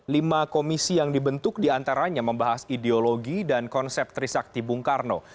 lima komisi yang dibentuk diantaranya membahas ideologi dan konsep trisakti bung karno